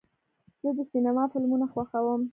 زه د سینما فلمونه خوښوم.